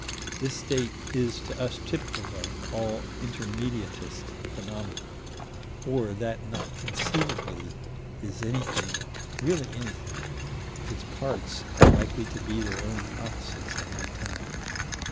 This state is to us typical of all intermediatist phenomena; or that not conceivably is anything really anything, if its parts are likely to be their own opposites at any time.